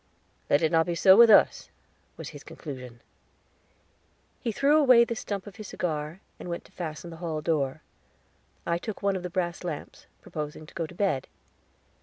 "Let it not be so with us," was his conclusion. He threw away the stump of his cigar, and went to fasten the hall door. I took one of the brass lamps, proposing to go to bed.